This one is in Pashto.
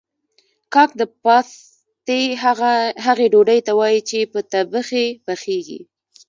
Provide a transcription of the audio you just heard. کاک د پاستي هغې ډوډۍ ته وايي چې په تبخي پخیږي